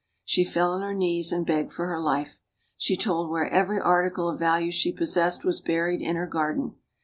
She fell on her knees and begged for her life. She told where every article of value she possessed was buried, in her garden.